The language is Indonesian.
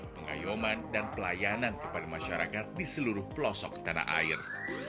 pengayuman dan pelayanan kepada masyarakat di seluruh pelosok tanah air